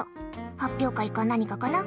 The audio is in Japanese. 発表会か何かかな。